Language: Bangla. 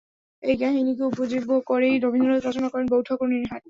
এই কাহিনীকে উপজীব্য করেই রবীন্দ্রনাথ রচনা করেন "বৌ-ঠাকুরাণীর হাট"।